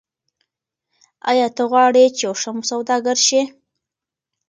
آیا ته غواړې چې یو ښه سوداګر شې؟